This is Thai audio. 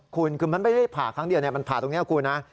คุณคือมันไม่ได้ผ่าครั้งเดียวมันผ่าตรงนี้คุณนะ